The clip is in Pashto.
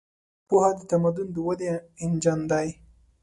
پوهه د تمدن د ودې انجن دی.